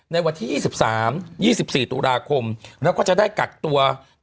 ในวันที่๒๓๒๔ตุลาคมแล้วก็จะได้กักตัว